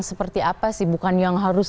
seperti apa sih bukan yang harus